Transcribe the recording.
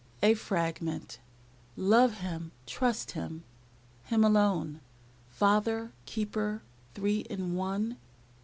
A FRAGMENT. Love Him, trust Him, Him alone; Father, Keeper, Three in One.